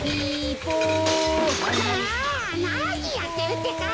ああっなにやってるってか！